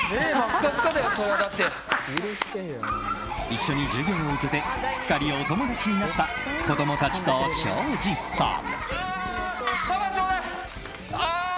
一緒に授業を受けてすっかりお友達になった子供たちと庄司さん。